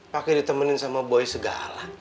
pak kek ditemenin sama boy segala